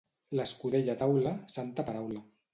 L'escudella a taula, santa paraula.